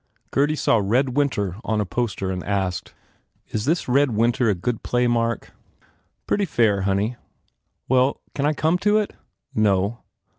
Gurdy saw "Red Winter" on a poster and asked, "Is this Red Winter a good play, Mark?" "Pretty fair, honey." "Well, can I come to it?" "No."